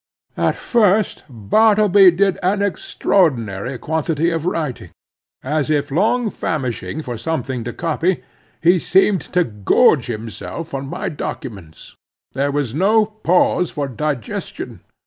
At first Bartleby did an extraordinary quantity of writing. As if long famishing for something to copy, he seemed to gorge himself on my documents. There was no pause for digestion.